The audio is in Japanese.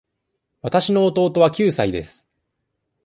わたしの弟は九歳です。